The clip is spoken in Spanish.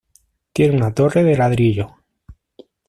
Tiene una torre de ladrillo.